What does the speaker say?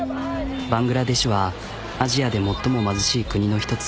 バングラデシュはアジアで最も貧しい国の１つ。